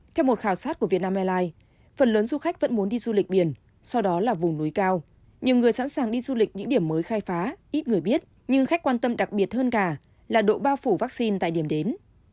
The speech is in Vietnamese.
theo một khảo sát của vietnam airlines phần lớn du khách vẫn muốn đi du lịch biển sau đó là vùng núi cao nhiều người sẵn sàng đi du lịch những điểm mới khai phá ít người biết nhưng khách quan tâm đặc biệt hơn cả là độ bao phủ vaccine tại điểm đến